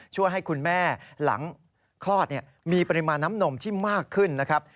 ช่วยให้คุณแม่หลังคลอดมีปริมาณน้ำนมที่มากขึ้นนะครับ